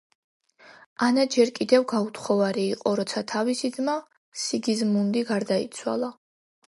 ანა ჯერ კიდევ გაუთხოვარი იყო, როცა თავისი ძმა სიგიზმუნდი გარდაიცვალა.